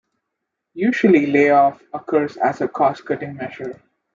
Usually a layoff occurs as a cost-cutting measure.